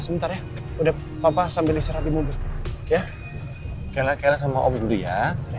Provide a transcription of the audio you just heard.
sebentar ya udah papa sambil istirahat di mobil ya kelak kelak sama om dulu ya